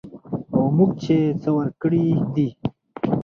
او موږ چې څه ورکړي دي